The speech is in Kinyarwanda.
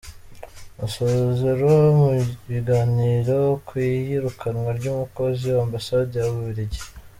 Masozera mu biganiro ku iyirukanwa ry’umukozi w’Ambasade y’u Bubiligi